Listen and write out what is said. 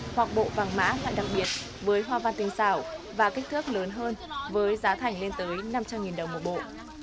hoặc bộ vàng mã hoặc đặc biệt với hoa văn tinh xảo và kích thước lớn hơn với giá thành lên tới năm trăm linh đồng một bộ